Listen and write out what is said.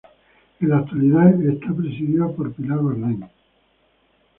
En la actualidad es presidido por Pilar Bardem.